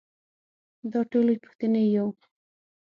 دا ټولې پوښتنې يو.